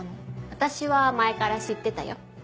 私は前から知ってたよ。